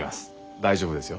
大丈夫ですよ。